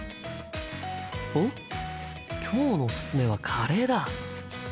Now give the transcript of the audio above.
おっ今日のおすすめはカレーだ。